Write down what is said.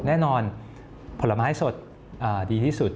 แน่นอนผลไม้สดดีที่สุด